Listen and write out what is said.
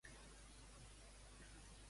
Què els va passar durant el franquisme?